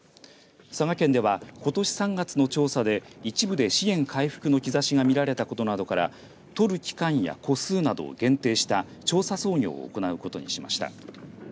佐賀県ではことし３月の調査で一部で資源回復の兆しが見られたことなどから捕る期間や個数などを限定した調査操業を行うことにしました。